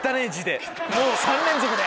「もう３連続で！」。